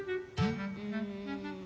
うん。